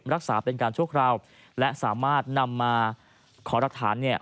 รักษาเป็นการชั่วคราวและสามารถนำมาขอรักฐานเนี่ย